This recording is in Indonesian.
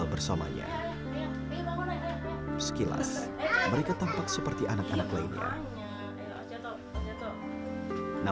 lihatlah mereka dalam terang kasih sayang